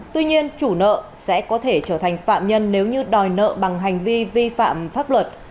tuy nhiên chủ nợ sẽ có thể trở thành phạm nhân nếu như đòi nợ bằng hành vi vi phạm pháp luật